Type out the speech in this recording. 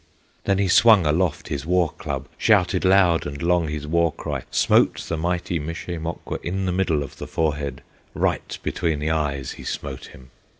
Then he swung aloft his war club, Shouted loud and long his war cry, Smote the mighty Mishe Mokwa In the middle of the forehead, Right between the eyes he smote him.